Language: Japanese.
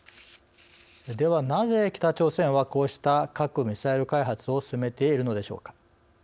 ではなぜ、北朝鮮はこうした核・ミサイル開発を進めているのでしょうか。